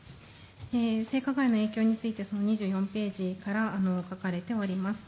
性加害の影響について２４ページから書かれております。